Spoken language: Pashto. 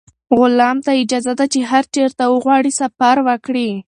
غلام ته اجازه ده چې هر چېرته وغواړي سفر وکړي.